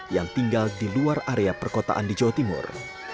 yang tinggal di luar area perkotaan di jawa timur